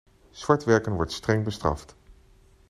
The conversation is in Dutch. Zwartwerken wordt streng bestraft.